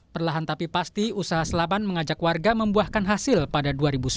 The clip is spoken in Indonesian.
perlahan tapi pasti usaha selaban mengajak warga membuahkan hasil pada dua ribu sepuluh